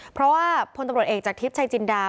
เพราะว่าพลตำรวจเอกจากทิพย์ชัยจินดา